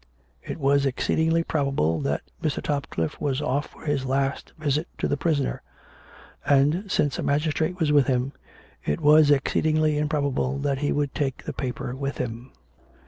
It was exceedingly probable that Mr. Topcliffe was off for his last visit to the pris'oner, and, since a magistrate was with him, it was exceedingly improbable that he would take the paper with him.